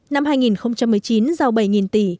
năm hai nghìn một mươi chín giao bảy tỷ